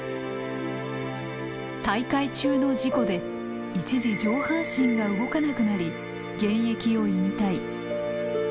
大会中の事故で一時上半身が動かなくなり現役を引退。